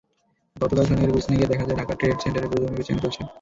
গতকাল শনিবার গুলিস্তানে গিয়ে দেখা যায়, ঢাকা ট্রেড সেন্টারে পুরোদমে বেচাকেনা চলছে।